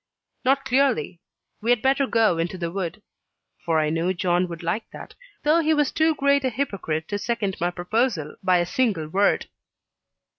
"Not clearly; we had better go into the wood." For I knew John would like that, though he was too great a hypocrite to second my proposal by a single word.